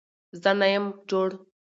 زه نه يم جوړ